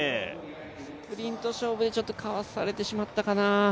スプリント勝負にちょっとかわされてしまったかな。